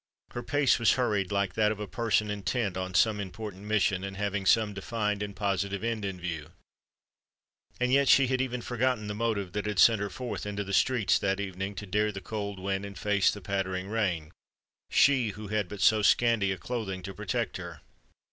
Her pace was hurried, like that of a person intent on some important mission, and having some defined and positive end in view:—and yet she had even forgotten the motive that had sent her forth into the streets that evening, to dare the cold wind and face the pattering rain,—she who had but so scanty a clothing to protect her!